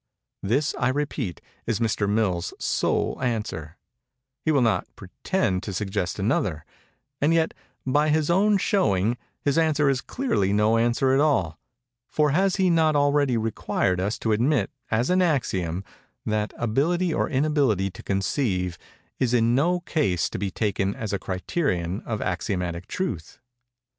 This, I repeat, is Mr. Mill's sole answer:—he will not pretend to suggest another:—and yet, by his own showing, his answer is clearly no answer at all; for has he not already required us to admit, as an axiom, that ability or inability to conceive is in no case to be taken as a criterion of axiomatic truth?